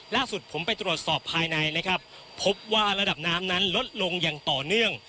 ล่าสุดผมไปตรวจสอบภายในนะครับพบว่าระดับน้ำนั้นลดลงอย่างต่อเนื่อง